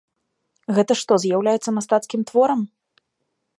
Гэта што, з'яўляецца мастацкім творам?